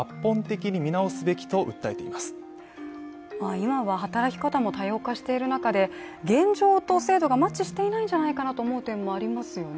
今は働き方も多様化している中で現状と制度がマッチしていないんじゃないかと思う点もありますよね。